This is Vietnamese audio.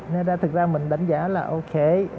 nên ra thực ra mình đánh giá là ok